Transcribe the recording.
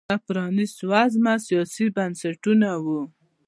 دا پرانیست وزمه سیاسي بنسټونه وو